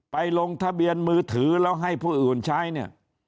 ลงทะเบียนมือถือแล้วให้ผู้อื่นใช้เนี่ย